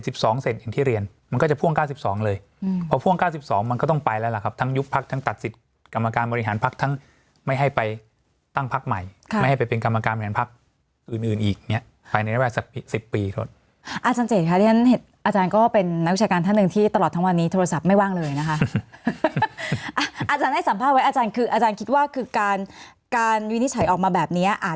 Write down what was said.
บริหารพักทั้งไม่ให้ไปตั้งพักใหม่ค่ะไม่ให้ไปเป็นกรรมการบริหารพักอื่นอื่นอีกเนี้ยภายในระวังสักสิบปีขอโทษอาจารย์เจ๋นค่ะดิฉันเห็นอาจารย์ก็เป็นนักวิชาการท่านหนึ่งที่ตลอดทั้งวันนี้โทรศัพท์ไม่ว่างเลยนะคะอาจารย์ให้สัมภาพไว้อาจารย์คืออาจารย์คิดว่าคือการการวินิจฉัยออกมาแบบ